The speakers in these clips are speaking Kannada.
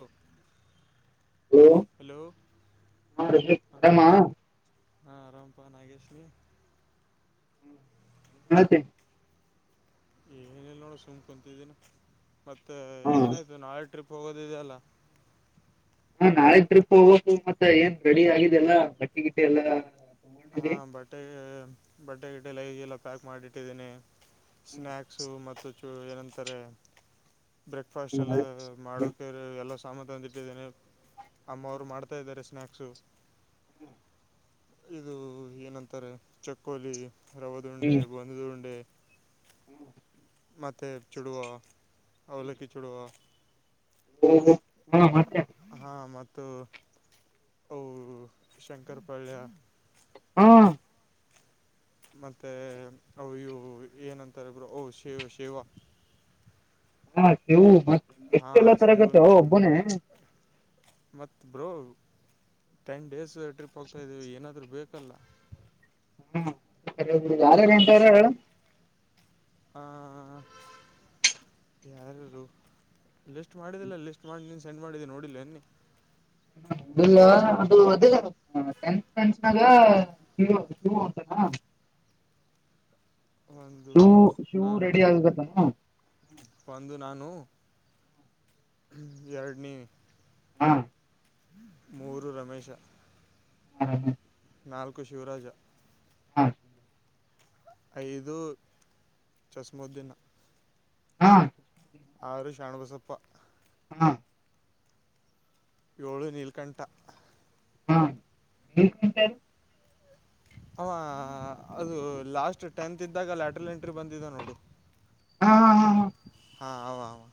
ಹ್ ಹಲೋ ಹಾ ರಮೇಶ್ ಹ ಆರಾಮ ಹಾ ಆರಾಮ್ಪಾ ನಾಗೇಶಿ. ಮತೆ ಏನಿಲ್ಲ್ನೋಡ ಸುಮ್ಮ್ ಕುಂತಿದ್ದೀನಿ ಮತ್ತೆ ಹಾ ಏನಾಯ್ತು ನಾಳೆ ಟ್ರಿಪ್ ಹೋಗೋದಿದೆಲ್ಲ. ಹಾ ನಾಳೆ ಟ್ರಿಪ್ ಹೋಗೋದು ಮತ್ತೆ ಏನ್ ರೆಡಿ ಆಗಿದೆ ಎಲ್ಲಾ ಬಟ್ಟಿ ಗಿಟ್ಟಿ ಎಲ್ಲಾ. ತಗೊಂಡಿದಿ ಹಾಂ ಬಟ್ಟೆ ಬಟ್ಟೆಗಿಟ್ಟೆಯಲ್ಲ ಈಗೆಲ್ಲ ಪ್ಯಾಕ್ ಮಾಡಿಟ್ಟಿದ್ದೀನಿ. ಹ್ಮ್ ಸ್ನ್ಯಾಕ್ಸು ಮತ್ತು ಚುರು ಏನಂತಾರೆ ಬ್ರೇಕ್ಫಾಸ್ಟ್ ಎಲ್ಲ ಅದೇ. ಮಾಡಕ್ ರ ಎಲ್ಲ ಸಾಮಾನ್ತಂದಿಟ್ಟೀದ್ದೀನಿ ಅಮ್ಮಾವ್ರು ಮಾಡ್ತಾ ಇದ್ದಾರೆ ಸ್ನ್ಯಾಕ್ಸು. ಹ್ಮ್ ಇದು ಏನಂತಾರೆ! ಚಕ್ಕೋಲಿ ರಾವಧಾ ಉಂಡೆ ಬಾಣದ ಉಂಡೆ. [inaudible] ಹ್ಮ್. [inaudible] ಮತ್ತೆ ಚಿಡುವ ಅವಲಕ್ಕಿ ಚುಡುವ? [inaudible] ಓ ಓಹ್ ಹ ಮತ್ತೆ! [unintelligible] ಹಾ ಮತ್ತೆ ಅವಾರು ಶಂಕರ್ ಪಾಳ್ಯ? [inaudible] ಹ. [inaudible] ಮತ್ತೆ ಅವು ಇವು ಏನಂತಾರೆ ಬ್ರೋ ಶಿವ ಶಿವಾ? [inaudible] ಹಾ ಶಿವು ಮತ್ ಎಸ್ಟು ಹಾಂ ಎಲ್ಲಾ ತರೋಕೆ ಶೇವ್ ಹಾಗುತೋ ಒಬ್ಬನೇ? [inaudible] ಮತ್ತು ಬ್ರೋ ಟೆನ್ ಡೇಸ್ ಟ್ರಿಪ್ ಹೋಗ್ತಾ ಇದಿದ್ದೀವಿ. ಏನಾದರೂ ಬೇಕಲ್ಲ? [inaudible] ಹ್ಮ್ ಯಾರಾರು ಹೊಂಟವರೇ ಹೇಳು? [inaudible] ಹ. [unintelligible] ಯಾರ್ಯಾರು ಲಿಸ್ಟ್ ಮಾಡಿದಲ್ಲ ಲಿಸ್ಟ್ ಮಾಡಿ ನೀನ್ ಸೆಂಡ್ ಮಾಡಿದ್ದ ನೋಡಿಲ್ಲ ಏನು. [inaudible] ಇಲ್ಲ ಅದು ಅದೇ? [inaudible] ಹ ಟೆತ್ ಫ್ರೆಂಡ್ಸ್ನಾಗ ಶಿವು ಶಿವು ಅಂತಾನ. [unintelligible] ಒಂದು ಶಿವು ಶಿವು ನಾನು ರೆಡಿ ಅಗಕರೂತನ. [inaudible] ಒಂದು ನಾನು ಹೂ ಎರಡನೇ? [inaudible] ಹಾ. [inaudible] ಮೂರು ರಮೇಶ. [unintelligible] ಹಾ ಹಾ. [inaudible] ನಾಲ್ಕು ಶಿವರಾಜ. [inaudible] ಹಾ. [inaudible] ಐದು ಚಸ್ಮೋದ್ದಿನ. [inaudible] ಹಾ. [inaudible] ಆರು ಷಾಣುಬಸಪ್ಪ. [inaudible] ಹಾ. [inaudible] ಏಳು ನೀಲ್ಕಂಠ! [inaudible] ಹಾ ಹೇಳುತ್ಹಿನಿ ತಡಿ. [inaudible] ಅವ ಅದು ಲಾಸ್ಟ್ ಟೆಂತ್ ಇದ್ದಾಗ ಲೆಟರ್ಲ್ ಎಂಟ್ರಿ ಬಂದಿದ್ದ ನೋಡು! [inaudible] ಹಾ! [inaudible] ಹಾ ಹ ಹ ಆವಾ! [inaudible]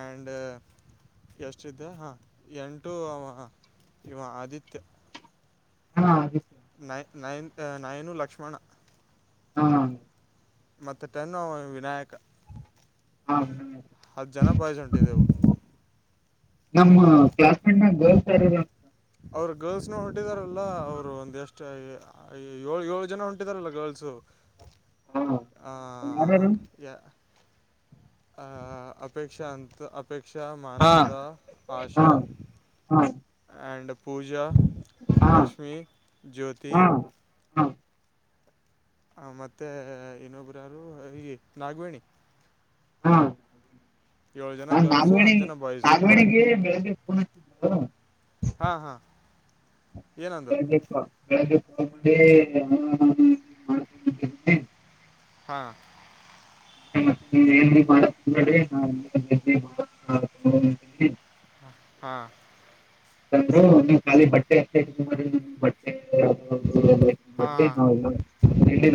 ಆಂಡ್. [inaudible] ಎಸ್ಟಿದು ಹಾಂ ಎಂಟು ಅವ ಹಾ ಇವ ಆದಿತ್ಯ! [inaudible] ಹಾ ಆದಿತ್ಯ. [inaudible] ನೈ ನಯನ್ ನಯನು ಲಕ್ಷ್ಮಣ! [inaudible] ಹ ಹಾ! [inaudible] ಮತ್ತೆ ಟೆನು ನಾವು ವಿನಾಯಕ ಹಾ ವಿನಾಯಕ. ಹತ್ತು ಜನ ಬಾಯಿಸ್ ಹೊಂಟಿದ್ದವು.. [inaudible] ನಮ್ಮ್ ಕ್ಲಾಸ್ನೇಗ ಹೇಳುತ್ತಾರೋಧು? [inaudible] ಅವರು ಗರ್ಲ್ಸ್ನು ಹೊರಟಿದಾರಲ್ಲ! ಅವ್ರು ಒಂದ್ ಎಸ್ಟು ಹಾ. [inaudible] ಅ ಏಳು ಏಳು ಜನ ಹೊಂಟಿದಾರಲ್ಲ ಗರ್ಲ್ಸ್. [inaudible] ಹಾ ಹ ಯಾರ್ಯಾರು ಯಾ! [inaudible] ಅಪೇಕ್ಷಂತ ಅಪೇಕ್ಷ ಹಾ ಮಾನಂದ ಹಾ ಆಶಾ! [inaudible] ಹಾ ಆ್ಯಂಡ್ ಪೂಜಾ ಹಾ ಲಕ್ಷ್ಮಿ ಜ್ಯೋತಿ! ಹಾ [inaudible] ಹಾ ಹ ಮತ್ತೆ ಇನ್ನೊಬ್ಬರು ಯಾರು ಈ ನಾಗವೇಣಿ. [inaudible] ಹಾ ಏಳು ಜನ ಹಾ ಗರ್ಲ್ಸು ನಾಗವಣಿ ಹತ್ತು ಜನ ಬಾಯ್ಸ್ ನಾಗವಾಣಿಗೆ! ಬೆಳಗ್ಗೆ ಫೋನ್ ಹಚ್ಚಿದ್. [inaudible] ಹಾ ಹಾ! [inaudible] ಹೇಳ್ಬೇಕು ಹೇಳ್ಬೇಕು ಹಾಂಗೆ ಹಾಅ. [inaudible] ಹಾ. [inaudible] ಏನು ಮಾಡಕ್ಕೂ ಹೋಗುಬೇಡಿ ನಾವೂ ಇನ್ನ. [unintelligible] ಹಾ ಅಧಿಕೇನು ಬಿಡಿ. [inaudible] ಹ ಹಾ! [inaudible] ಬಂದ್ರು ಖಾಲಿ ಬಟ್ಟೆ ಅಷ್ಟ ಬಟ್ಟೆ. ಹಾಂ ಹಾಂ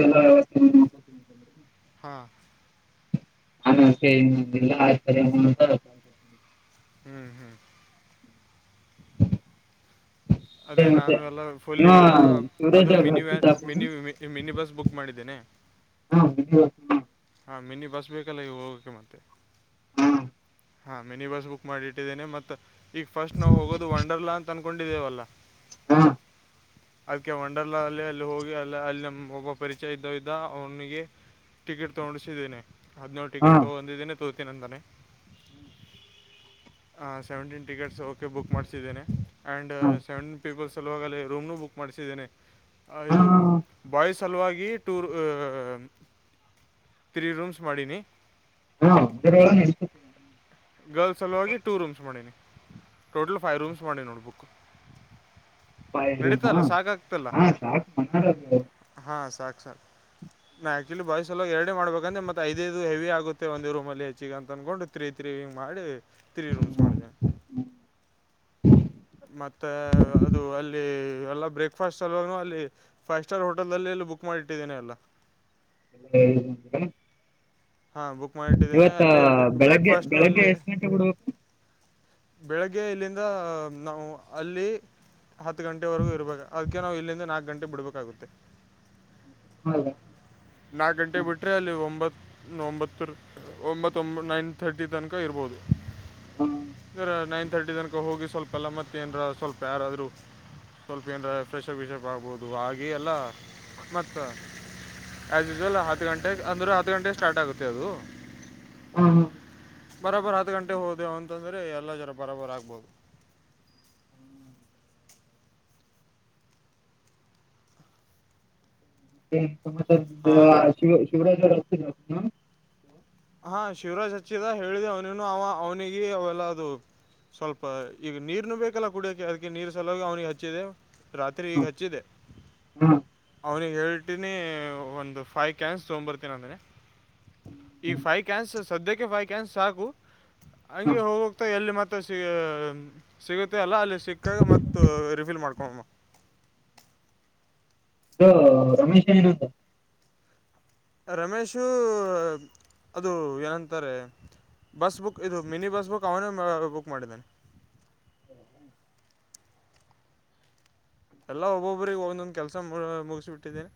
[unintelligible] [unintelligible] [inaudible] ಹಾ. [inaudible] ಆಮೇಕೆ ಇನ್ನೊಂದು ಇಲ್ಲಾ! [unintelligible] ಹ್ಮ್ ಹ್ಮ್. [inaudible] ಅದೇ ನಾನುಏನು ಎಲ್ಲ ಫುಲ್ ಇವ ಈಗ! [inaudible] ಅದು ಶಿವರಾಜ್ ಅವ್ರ್ ಮಿನಿ ವ್ಯಾನ್ ಹಚ್ಚಿದ್ದ ಮಿನಿ ಮಿನಿ ಬಸ್ ಬುಕ್ ಮಾಡಿದ್ದೇನೆ. [inaudible] ಹಾ ಇದು ಹಾ. [inaudible] ಹಾ ಮಿನಿ ಬಸ್ ಬೇಕಲ್ಲ ಈಗ ಹೋಗಕ್ಕೆೆ ಮತ್ತೆ! [inaudible] ಹೂ. [inaudible] ಹಾ ಮಿನಿ ಬಸ್ ಬುಕ್ ಮಾಡಿಟ್ಟಿದ್ದೇನೆ! ಮತ್ತು ಈಗ ಫಸ್ಟ್ ನಾವು ಹೋಗೋದು ವಂಡರ್ಲಾ ಅಂತ ಅನ್ಕೊಂಡಿದ್ದೇವಲ್ಲ. [inaudible] ಹು ಹಾ! [inaudible] ಅದಕ್ಕೆ ವಂಡರ್ಲಾ ಅಲ್ಲಿ ಅಲ್ಲಿ ಹೋಗಿ ಅಲ್ಲ ಅಲ್ಲಿ. ನಮ್ಮ ಒಬ್ಬ ಪರಿಚಯ ಇದ್ದ ಇದ್ದ ಅವನಿಗೆ? [inaudible] ಟಿಕೆಟ್ ತಗೋಳಕ್ಕೆ ಕುಂಡುಶುಧಿನಿ ಹಾಧಿಯೇನೂಲ್! ಹಾ ಟಿಕೆಟ್ ತಗೊಂಡಿದ್ದೇನೆ ಅನುದಿಧಿನಿ! [inaudible] ಹ ಸೆವೆಂಟೀನ್ ಟಿಕೆಟ್ಸ್ ಓಕೆ ಬುಕ್ ಮಾಡಸಿದಿನಿ ಅಂಡ್ ಹಾ ಸೆವೆಂಟನ್ ಪೀಪಲ್ಸ್. [inaudible] ಚಲುವಾಗಲೇ ರೂಮ್ನು ಬುಕ್ ಮಾಡಿಸಿದ್ದೇನೆ ಹಾ ಇದು? ಹಾ [inaudible] ಬಾಯ್ಸ್ ಹಲಾಗಿ ಟೂರ್! ತ್ರೀ ರೂಮ್ಸ್ ಮಾಡೀನಿ. [inaudible] ಹಾ ಬೇರೆ ಏನು ನಡೆಯಿತು? [inaudible] ಗರ್ಲ್ಸ್ ಸಲುವಾಗಿ ಟೂ ರೂಮ್ಸ್ ಮಾಡೀನಿ! ಟೋಟಲ್ ಫೈವ್ ರೂಮ್ಸ್ ಮಾಡಿನಿ ನೋಡಿ ಬುಕ್. [inaudible] ಫೈವ್ ರೂಮ ನಡೀತಲ್ಲ ಆ ಸಾಕು ಮತ್ತೆ? [inaudible] ಹಾ ಸಾಕೂ ಸಾಕು? [inaudible] ನಾ ಆಕ್ಚುಲಿ ಬಾಯ್ಸ್ ಎರಡ ಮಾಡಬೇಕಂದ್ರೆತ್ತ ಐದದು ಹೆವಿ ಆಗುತ್ತೆ ಒಂದು ರೂಮಲ್ಲಿ ಹೆಚ್ಗೆ ಅಂತ ಅನ್ಕೊಂಡುತ. [inaudible] ತ್ರೀ ಮಾಡಿ ತ್ರೀ ರೂಮ್ಸ್ ಹ್ಮ್. ಮಾಡಿದೇನೆ. [inaudible] ಹ್ಮ್. [unintelligible] [inaudible] ಮತ್ತೆ ಅದು ಅಲ್ಲಿ ಎಲ್ಲ ಬ್ರೇಕ್! [inaudible] ಫಸ್ಟ್ ಎಲ್ಲವನು ಅಲ್ಲಿ ಫೈವ್ ಸ್ಟಾರ್ ಹೋಟೆಲ್ ನಲ್ಲಿ ಎಲ್ಲಿ ಬುಕ್ ಮಾಡಿಟ್ಟಿದ್ದೇನೆ ಎಲ್ಲ? [inaudible] ಆ ಎಲ್ಲಾ ಹೇಗಿದಿನಿ ಅಂದ್ರ? [inaudible] ಹಾ ಬುಕ್ ಮಾಡಿಟ್ಟಿದ್ದೇನೆ ಅಲ್ಲಿ ಬೆಳಗ್ಗೆ ಬ್ರೇಕ್ಫಾಸ್ಟ್ನು ಬೆಳಗ್ಗೆ ಅಲ್ಲಿ! [inaudible] ಎಷ್ಟು ಗಂಟೆ ಬಿಡ್ಬೇಕು? ಬೆಳಿಗ್ಗೆ ಇಲ್ಲಿಂದ ನಾವು ಅಲ್ಲಿ? [inaudible] ಹತ್ತು ಗಂಟೆವರೆಗೂ ಇರಬೇಕ! ಅದಕ್ಕೆ ನಾವು ಇಲ್ಲಿಂದ ನಾಲ್ಕು ಗಂಟೆ ಬಿಡ್ಬೇಕಾಗುತ್ತೆ? [inaudible] ಹೌದ? [inaudible] ನಾಲ್ಕು ಗಂಟೆಗೆ ಬಿಟ್ರೆ ಅಲ್ಲಿ ಒಂಬತ್ತು ಒಂಬತ್ತುರು ಒಂಬತ್ತು ಒಂಬ ನೈನ್! [inaudible] ಥರ್ಟಿ ತನಕ ಇರ್ಬೋದು! ಹ್ಮ್. ಇದರ ನೈನ್ ತಥರ್ಟಿ ತನಕ. [inaudible] ಎಲ್ಲಾ ಹೋಗಿ ಸ್ವಲ್ಪ! ಎಲ್ಲ ಮತ್ತೆ ಏನಾದರೂ ಸ್ವಲ್ಪ ಯಾರಾದ್ರೂ? [inaudible] ಸ್ವಲ್ಪ ಏನಾದರೂ ಫ್ರೆಷಪ್ ವಿಷಪ್ ಆಗ್ಬೋದು ಹಾಗೆ ಎಲ್ಲ ಮತ್ತ? [inaudible] ಆ್ಯಸ್ ಯೂಶುವಲ್ ಹತ್ತು ಗಂಟೆಗೆ ಅಂದ್ರೆ! ಹತ್ತು ಗಂಟೆಗೆ ಸ್ಟಾರ್ಟ್ ಆಗುತ್ತೆ ಅದು? [unintelligible] ಹ ಹ. [inaudible] ಬರೋಬರ್ರೋ ಹತ್ತು ಗಂಟೆ ಹೋದೆವು ಅಂತಂದ್ರೆ ಎಲ್ಲಾ ಜರ ಬರಾಬರ್ ಆಗ್ಬೋದು? [inaudible] ಏನು ಹಾಂ ಏನುಸಮಾಚಾರ! ಶಿವರಾಜ ಅಂತ ನಾವು? [inaudible] ಹಾ ಶಿವರಾಜ್ ಹಚ್ಚಿದ ಹೇಳಿದೆ! ಅವನನು ಅವ ಅವ್ನಿಗೆ ಅವೆಲ್ಲ ಅದು? [inaudible] ಸ್ವಲ್ಪ ಈಗ ನೀರು ನು ಬೇಕಲ್ಲ ಕುಡಿಯಕೆ ಅದಕ್ಕೆ ನೀರ್ ಸಲುವಾಗಿ ಅವನಿಗೆ ಹಚ್ಚಿದೆ. ರಾತ್ರಿ ಈಗ ಹಾ ಹಚ್ಚಿದೆ. ಹಾ ಅವ್ನಿಗೆ ಹೇಳ್ತೀನಿ ಒಂದು ಫೈವ್ ಕ್ಯಾನ್ಸ್ ತೊಗೊಂಬರ್ತೀನಿ ಅಂದೆ. ಈಗ್ ಫೈವ್ ಕ್ಯಾನ್ಸ ಸದ್ಯಕ್ಕೆ ಫೈವ್ ಕ್ಯಾನ್ಸಾಕು ಹಂಗೆ ಹೋಗೋಗ್ತಾ ಎಲ್ಲಿ ಮತ್ತೆ ತ ಸಿ ಸಿಗುತ್ತೆಯಲ್ಲ ಅಲ್ಲಿ ಸಿಕ್ಕಾಗ ಮತ್ತು ರಿಫಿಲ್ ಮಾಡ್ಕೊಳುಮ. ತೊ ರಮೇಶ ಏನಂದ. ರಮೇಶು ಅದು ಏನಂತಾರೆ. ಬಸ್ ಬುಕ್ ಇದು ಮಿನಿ ಬಸ್ ಬುಕ್ ಅವನೇ ಬುಕ್ ಮಾಡಿದಾನೆ. [inaudible] ಎಲ್ಲಾ ಒಬ್ಬೊಬರಿಗೆ ಒಂದೊಂದ್ ಕೆಲ್ಸ ಮು ಮುಗಿಸಿಬಿಟ್ಟಿದ್ದಿನಿ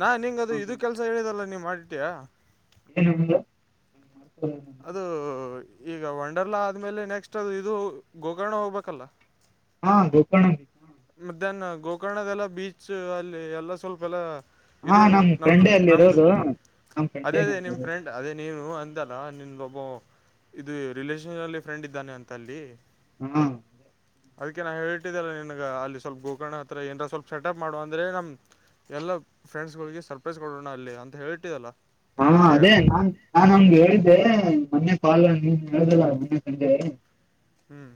ನಾ ನಿಂಗ ಅದು ಇದು ಕೆಲಸ ಸ ಹೇಳಿದಲ್ಲ ನೀವ್ ಮಾಡಿಟ್ಟಿಯಾ. ಇ [unintelligible] ಮಾಡ್ತಾರೆನು. ಅದು ಈಗ ವಂಡರ್ಲಾ ಆದ್ಮೇಲೆ ನೆಕ್ಸ್ಟ್ ಅದು ಇದು ಗೋಕರ್ಣ ಹೋಗ್ಬೇಕಲ್ಲ. ಹಾ ಗೋಕರ್ಣ. ಮಧ್ಯಾಹ್ನ ಗೋಕರ್ಣದೆಲ್ಲ ಬೀಚ್ ಅಲ್ಲಿ ಎಲ್ಲ ಸ್ವಲ್ಪ ಎಲ್ಲಾ. ಹಾ ಇದು ನಮ್ ನಮ್ದು ಫ್ರೆಂಡೆ ಅಲ್ಲಿ ನಮ್ದು ಇರೋದು ನಮ್ ಅದೇ ಫ್ರೆಂಡೇ ಅದೇ ನಮ್ ನಿಮ್ ಇರೋದು. ಫ್ರೆಂಡ್ ಅದೇ ನೀವು ಅಂದೆಲ್ಲಾ ನಾನಿಂಗ್ ಒಬ್ಬವ್ ಇದು ರಿಲೇಷನ್ಲಿ ಫ್ರೆಂಡ್ ಇದ್ದಾನೆ ಅಂತ ಅಲ್ಲಿ. ಹ್ಮ್ ಅದಕೆ ನಾ ಹೇಳಿಟ್ದೆಲ್ಲ ನಿನ್ಗ ಅಲ್ಲಿ ಸ್ವಲ್ಪ್ ಗೋಕರ್ಣ ಹತ್ರ ಏನ್ರ ಸ್ವಲ್ಪ್ ಸೆಟಪ್ ಮಾಡುವ ಅಂದ್ರೆ ನಮ್ ಎಲ್ಲ ಫ್ರೆಂಡ್ಸ್ಗಳಿಗೆ ಸರ್ಪ್ರೈಸ್ ಕೊಡೋಣ ಅಲ್ಲಿ ಅಂತ ಹೇಳಿಟ್ಟಿಯಲ್ಲ. ಹಾ ಅದೇ ನಾನ್ ನಾನ್ ಅವ್ನಿಗ್ ಹೇಳಿದ್ದೆ ಮೊನ್ನೆ ಕಾಲಲ್ ನೀನ್ ಹೇಳಿದಲ್ಲ ಮೊನ್ನೆ ಸಂಜೆ. ಹ್ಮ್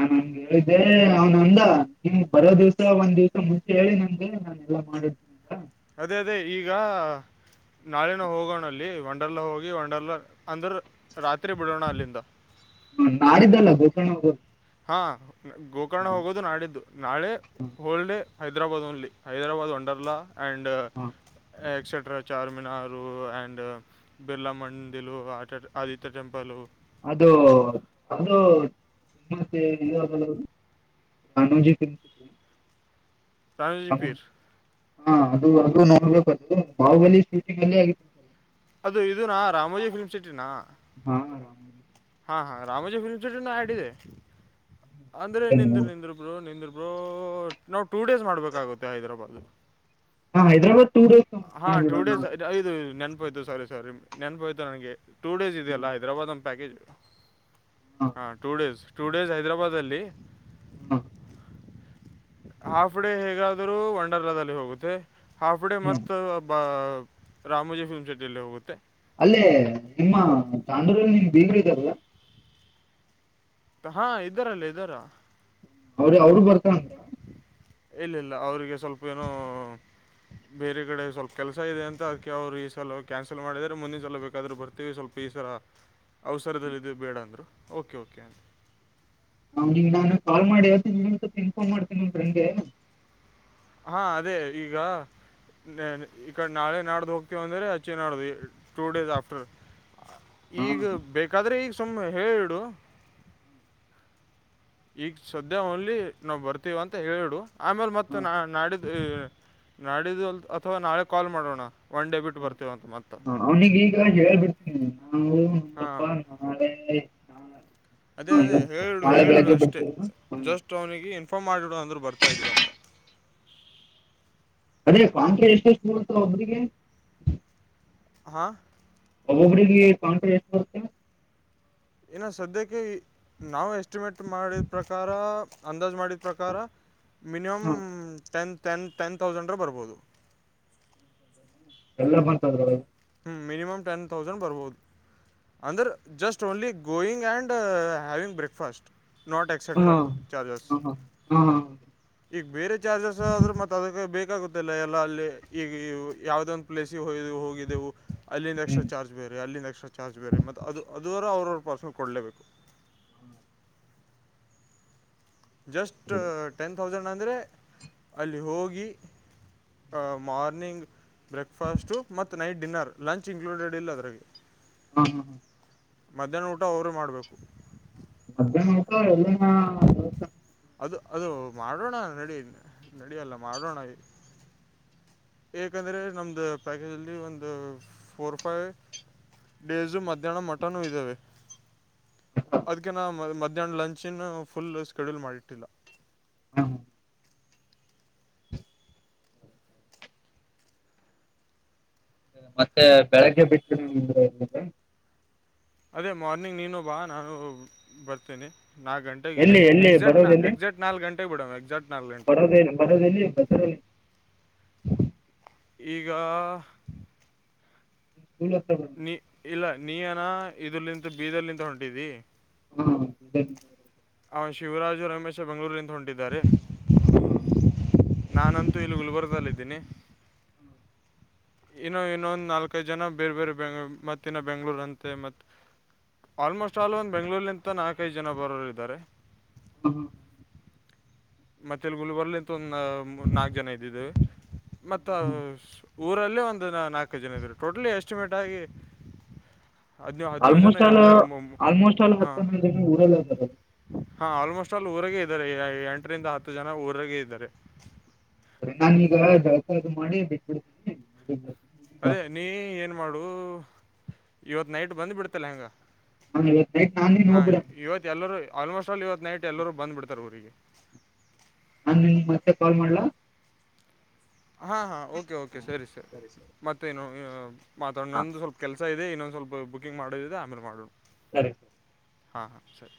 ನಾನವ್ನಿಗ್ ಹೇಳಿದ್ದೆ ಅವನಂದ ನೀವ್ ಬರೋ ದಿವಸ ಒಂದ್ ದಿವಸ ಮುಂಚೆ ಹೇಳಿ ನಂಗೆ ನಾ. ಇದೊಂದು ಮಾಡಿದ್. ಅದೆ ಅದೆ ಈಗ. ನಾಳೆನ ಹೋಗೋಣ ಅಲ್ಲಿ ಒಂಡರ್ಲ ಹೋಗಿ ಒಂಡರ್ಲ ಅಂದ್ರ ರಾತ್ರಿ ಬಿಡೋಣ ಅಲ್ಲಿಂದ. ಹ ನಾಡಿದ್ದಲ್ಲ ಗೋಕರ್ಣ ಹೋಗೋದು. ಹಾ ಗೋಕರ್ಣ ಹೋಗೋದು ನಾಡಿದ್ದು. ನಾಳೆ whole day Hyderabad only Hyderabad Wonderla and. ಹ ಎಕ್ಸೆಟ್ರಾ ಚಾರಮಿನಾರು ಆ್ಯಂಡ್. ಬಿರ್ಲಾ ಮಂಡೀಲು ಆಟ ಆದಿತ್ಯ ಟೆಂಪಲು. ಅದು ಅದು ಟ್ಯುಸ್ಡೇ ರಿಒಪನಾಗದ. ರಾಮೋಜಿಫಿಲ್ ರಾಜಜಿ ಫಿರ್. ಹಾ ಅದು ಅದು ನೋಡ್ಬೇಕದು ಬಾಹುಬಲಿ ಶೂಟಿಂಗ್ ಅಲ್ಲೇ ಆಗಿದ್ದು. ಅದು ಇದು ನಾ ರಾಮೋಜಿ ಫಿಲ್ಮ್ ಸಿಟಿನಾ. ಹ್ಮ ಹಾ ಹಾ ರಾಮೋಜಿ ಫಿಲ್ಮಸಿಟಿ ನಾ ಹೇಳಿದೆ ಅಂದ್ರೆ ಅದೇ ನಿಂದ್ರ ನೋಡ್- ನಿಂದ್ರಬ್ರೊ ನಿಂದ್ರ. ಆ ನಾವ್ ಟೂ ಡೇಸ್ ಮಾಡ್ಬೇಕಾಗುತ್ತೆ ಹೈದ್ರಾಬಾದ. ಹಾ ಹೈದರಾದ್. ಹಾ ಟೂ ಡೇಸ್ಇದ್ ಐದು ನೆನ್ಪೋಯ್ತು ಸಾರಿ ಸಾರಿ ನೆನ್ಪೋಯ್ತು ನನ್ಗೆ. ಟೂ ಡೇಸ್ ಹ್ಮ್, ಇದೆಯಲ್ಲ ಹೈದರಾಬಾದ್ ನ್ ಪ್ಯಾಕೇಜ್. ಹಾ ಟೂ ಡೇಸ್ ಟೂ ಡೇಸ್ ಹೈದ್ರಾಬಾದಲ್ಲಿ. ಹ್ಮ್ ಹಾಫ್ ಡೇ ಹೇಗಾದ್ರೂ! ವಂಡರ್ ಲಾದಲ್ಲಿ ಹೋಗುತ್ತೆ ಹಾಫ್ ಡೇ ಮ? [inaudible] ಹ್ಮ್ ಇದರು ಒಬ್ಬ ರಾಮಜಿ ಫಿಲ್ಮ್ ಸಿಟಿಯಲ್ಲಿ ಹೋಗುತ್ತೆ! [inaudible] ಅಲ್ಲೇ ನಿಮ್ಮ ತಾಂಡೂರಲ್ಲಿ! ನಿಮ್ ಬೀಗರು ಇದರಲ್ಲ? [inaudible] ಹಾ ಇದರಲ್ಲಿ ಇದರ? [inaudible] ಹೌದು ಅವರು ಬರುತ್ತಾರೆ? [inaudible] ಇಲ್ಲ ಇಲ್ಲ ಅವರಿಗೆ ಸ್ವಲ್ಪ ಏನೋ? [inaudible] ಬೇರೆ ಕಡೆ ಸ್ವಲ್ಪ ಕೆಲಸ ಇದೆ ಅಂತ! ಅದಕ್ಕೆ ಅವ್ರು ಈ ಸಲ ಕ್ಯಾನ್ಸಲ್ ಮಾಡಿದರೆ? ಮುಂದಿನ ಸಲ ಬೇಕಾದ್ರರು ಬರ್ತೀವಿ ಸ್ವಲ್ಪ. [inaudible] ಈ ಸಲ್ಲ ಅವಸರದಲ್ಲಿ ಇದೀವಿ! ಬೇಡ ಅಂದರು ಓಕೆ ಓಕೆ. [inaudible] ಅವನಿಗೆ ನಾನು ಕಾಲ್ ಮಾಡಿ ಹೇಳ್ತೀನಿ ಇನ್ಫಾರ್ಮ್ತನಿ ಹೆಂಗೆ? [inaudible] ಹಾ ಅದೇ ಈಗ? [inaudible] ನಾನು ಈ ಕಡೆ ನಾಳೆ ನಾಡ್ದ ಹೋಗ್ತೀವಿ! ಅಂದರೆೆ ಹಚ್ಚಿ ನಾಡ್ದ ಟೂ ಡೇಸ್ ಆಫ್ಟರ್. [inaudible] [inaudible] [unintelligible] ಈಗ ಬೇಕಾದ್ರೆ! ಈಗ ಸುಮ್ನೆ ಹೇಳು ಬಿಡು. [inaudible] ಈಗ ಸದ್ಯ ಓನ್ಲಿ! ನಾವು ಬರ್ತೀವ ಅಂತ ಹೇಳಿಡು, ಆಮೇಲೆ ಮತ್ತೆ, ಹಾ ನಾ ನಾಡಿದ್ದು? [inaudible] ನಾಡಿದ್ದು ಅಲ್ ಅಥವಾ ನಲಿದು ಕಾಲ್ ಮಾಡೋಣ! [inaudible] ಬರ್ತೀವಿ ಅಂತ ಮತ್ತೆ ಹ ಹ ಅವ್ನಿಗೆ ಈಗ ಹೇಳ್ಬಿಡ್ತೀನಿ ನಾವು ನೋಡಪ್ಪ? ಹಾಂ [inaudible] ನಾಳೆ ಆ! [inaudible] ಅದೇ ಅದೇ ಹೇಳಿಡು ಹೇಳಿಡು! ಅಷ್ಟೆ ಬರ್ತೀರಾ ಹಾ ಜಸ್ಟ್ ಅವ್ನಿಗೆ ಇನ್ಫಾರ್ಮ್, ಮಾಡಿಡು, ಅಂದ್ರರು ಬರ್ತಾ ಇದೀವ ಅಂತ. [inaudible] ಅದೆ ಕಾಂಟ್ರಾ ಎಷ್ಟು ಎಷ್ಟು ಬರುತ್ತೆ ಒಬೋಬುರುಗೆ? [inaudible] ಹಾ! [inaudible] ಒಬ್ಹೂಬರಿಗೆ ಕಾಂಟ್ರಾ ಎಷ್ಟು ಬರುತ್ತೆ? [inaudible] ಏನೋ ಸದ್ಯಕ್ಕೆ? [inaudible] ನಾವು ಎಸ್ಟಿಮೇಟ್ ಮಾಡಿದ! ಪ್ರಕಾರ ಅಂದಾಜ್ ಮಾಡಿದ ಪ್ರಕಾರ? [inaudible] ಮಿನಿಮಮ್ ಹಾ ಟೆನ್ ಟೆನ್ ಟೆನ್ ಥೌಸಂಡ್ ಬರ್ಬೋದು? [inaudible] ಹ್ಮ್ಮ್. [inaudible] ಎಲ್ಲರೂ ಬಂದು ತಡೆದರು? [inaudible] ಹ್ಮ್ ಮಿನಿಮ್ ಟೆನ್ ಥೌಸಂಡ್ ಬರುಬೋಹುದು? [inaudible] ಅಂದರ್ just only going and having breakfast! [inaudible] ಹ್ಮ ಎಕ್ಸೆಟ್ರಾ ಚಾರ್ಜಸ್ ಹ್ಮ ಹ ಹ್ಮ. [inaudible] ಈಗ ಬೇರೆ ಚಾರ್ಜಸ್! ಆದ್ರರು ಮತ್ತ ಅದಕ್ಕೆ ಬೇಕಾಗುತ್ತಿಲ್ಲ, ಎಲ್ಲ, ಅಲ್ಲಿ, ಈಗ ಯಾವ್ದ? [inaudible] ಪ್ಲೇಸ್ಗೆ ಹ ಹೋಗಿದ್ದೆವು. [inaudible] ಅಲ್ಲಿಂದ ಎಕ್ಸ್ಟ್ರಾ ಹ್ಮ್ ಚಾರ್ಜ್ ಬೇರೆ! ಅಲ್ಲಿಂದ ಎಕ್ಸ್ಟ್ರಾ ಚಾರ್ಜ್ ಬೇ ಮ ಮತ್ತು ಅದು ಅದುವರ ಅವ್ರವ ಪರ್ಸೆಟ್ ಕೊಡಲೆಬೇಕು? [inaudible] ಹ್ಮ್. [inaudible] ಜಸ್ಟ್ ಟೆನ್ ಥೌಸಂಡ್ ಅಂದರೆ ಅಲ್ಲಿ ಹೋಗಿ? [inaudible] ಆ ಮಾರ್ನಿಂಗ್! [inaudible] ಬ್ರೇಕ್ಫಾಸ್ಟ್ ಮತ್ತು ನೈಟ್ ಡಿನ್ನರ್ ಲಂಚ್ ಇನ್ಕ್ಲೂಡೆಡ್ ಇಲ್ಲ ಅದ್ರಗೆ ಹಾ ಹಾ ಹಾ! [inaudible] ಮಧ್ಯಾಹ್ನ ಊಟ ಅವರೆ ಮಾಡಬೇಕು? [inaudible] ಮಧ್ಯಾಹ್ನ, ಊಟ ಹೇಳಿಯಾನ? [inaudible] ಅದು ಅದು ಮಾಡೋಣ! ನಡಿ ನಡಿಯಲ್ಲ ಮಾಡೋಣ. [inaudible] ಏಕಂದ್ರೆ ನಮ್ದು ಪ್ಯಾಕೇಜ್! ಅಲ್ಲಿ ಒಂದು ಫೋರ್ ಫೈವ್? [inaudible] ಡೇಸು ಮಧ್ಯಾಹ್ನ ಮಟನು ಇದ್ದಾವೆ. [inaudible] ಅದ್ಕ್ಕೆ ನಾ ಮಧ್ಯಾಹ್ನ ಲಂಚಿನ ಫುಲ್ ಸ್ಕೆಡ್ಯೂಲ್ ಮಾಡಿಟ್ಟಿಲ್ಲ. [inaudible] ಹಾ! [inaudible] ಮತ್ತೆ ಬೆಳಗ್ಗೆ ಬಿಟ್ಟು ಊರಿಗೆ ಹೋಗೋದ? [inaudible] ಅದೇ ಮಾರ್ನಿಂಗ್ ನೀನು ಬಾ ನಾನು ಬರ್ತೇನೆ ನಾಗ್ ಗಂಟೆ ಇಲ್ಲಿ ಎಲ್ಲಿ ಎಲ್ಲಿ ಎಕ್ಸಾಕ್ಟ್ ಬರೋದೆಲ್ಲಿ ಎಕ್ಸಾಕ್ಟ್ ನಾಕ್ ನಾಲ್ಕ್ ಗಂಟೆಗೆ ಬಿಡ ಎಕ್ಸಾಕ್ಟ್ ನಾಲ್ಕ್ ಗಂಟೆಕ ಬರೋದ [inaudible] ಬರೋದೆಲ್ಲಿ ಬಜಾರಲ್ಲಿ ಈಗಾ [unintelligible] ನೀ ಇಲ್ಲಾ ನೀಯೆನ ಇದಲ್ಲಿಂತ ಬೀದರ್ ನಿಂತ ಹೊಂಟಿದೀ ಹ [unintelligible] ಅವ್ ಶಿವರಾಜು ರಾಮೇಶ ಬೆಂಗಳೂರಿ ಹೊಂಟಿದಾರೆ ನಾನಂತೂ ಇಲ್ಲಿ ಗುಲ್ಬರ್ದಲ್ಲಿದ್ದೀನಿ. [unintelligible] ಇನ್ನೂ ಇನ್ನೊಂದ್ ನಾಲ್ಕೈದು ಜನ ಬೇರೆ ಬೇರೆ ಬೆಂಗ ಮತ್ತಿನ ಬೆಂಗ್ಳೂರ್ ಅಂತೆ ಮತ್ ಆಲ್ಮೋಸ್ಟಾಲ್ ಒಂದ್ ಬೆಂಗಳೂಲಿಂತ್ ನಾಲ್ಕೈದು ಜನ ಬರೋರು ಇದಾರೆ. [unintelligible] ಮತ್ತ ಇಲ್ಲಿ ಗುಲ್ಬರ್ಲಿ ಇಂತ ಒಂದ ಮೂರ್ ನಾಲ್ಕು ಜನ ಇದ್ದಿದ್ದೆವೆ ಮತ್ತ ಆ ಊರಲ್ಲಿ ಒಂದ ನಾಲ್ಕೈದ ಜನ ಇದೆವ್ರಿ ಟೋಟಲಿ ಎಸ್ಟಿಮೇಟ್ ಆಗಿ ಹದ್ನೋ ಹದ್ನೋಳ್ ಜನ ಆಲ್ಮೋಸ್ಟ್ ಆಲ್ ಎಲ್ಲ ಮು ಮು ಆಲ್ಮೋಸ್ಟ್ ಆಲ್ ಹಾ ಹತ್ತ ಹನ್ನೊಂದು ಜನ ಊರಲ್ಲ ಅದಾರ [inaudible] ಹಾ ಆಲ್ಮೋಸ್ಟಾಲ್ ಊರಗೆ ಇದಾರೆ ಎ ಎಂಟರಿಂದ ಹತ್ತ ಜನಾ ಊರಾಗೆ ಇದ್ದಾರೆ. ನಾನೀಗ ಜಳಕ ಅದು ಮಾಡಿ ಬಿಟ್ಬಿಡ್ತೀನಿ [unintelligible] ಅದೇ ನೀ ಏನ್ ಮಾಡು ಇವತ್ ನೈಟ್ ಬಂದ ಬಿಡ್ತಲ್ಲ ಹೆಂಗ ನಾನ್ ಇವತ್ ನೈಟ್ ನಾನೇ [inaudible] ಹಾ ಇ ಹೋಗ್ಬಿಡ ಇವತ್ ಎಲ್ಲರೂ ಆಲ್ಮೋಸ್ಟಾಲ್ ಇವತ್ ನೈಟ್ ಎಲ್ಲರೂ ಬಂದ್ ಬಿಡ್ತಾರೆ ಊರಿಗೆ. ನಾನ್ ನಿನಗ್ ಮತ್ತೆ ಕಾಲ್ ಮಾಡ್ಲಾ. ಹಾ ಹಾ ಓಕೆ ಓಕೆ ಸರಿ ಸರಿ ಮತ್ತೇನು ಏ ಮಾತಾಡ ಹಾ ನಂದು ಸ್ವಲ್ಪ ಕೆಲಸ್ ಇದೆ ಇನ್ನೊಂದ ಸ್ವಲ್ಪ ಬುಕಿಂಗ್ ಮಾಡುದಿದೆ ಆಮೇಲೆ ಮಾಡೋ ಸರಿ. ಹಾ ಹಾ ಸರಿ‌.